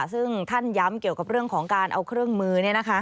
ซึ่งท่านย้ำเกี่ยวกับเรื่องของการเอาเครื่องมือ